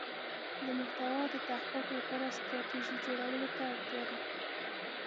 د محتوا د تحقق لپاره ستراتیژی جوړولو ته اړتیا ده.